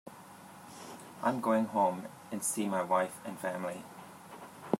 I'm going home and see my wife and family.